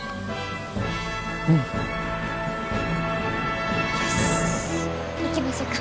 うん！よし行きましょか。